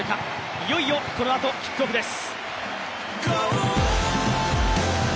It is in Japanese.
いよいよこのあとキックオフです。